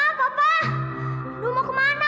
lu mau kemana mama